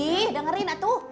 ih dengerin tuh